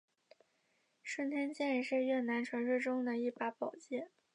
顺天剑是越南传说中的一把古剑。